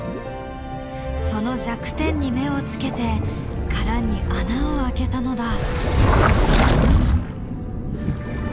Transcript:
その弱点に目をつけて殻に穴を開けたのだ。